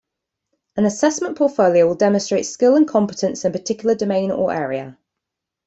An assessment portfolio will demonstrate skill and competence in a particular domain or area.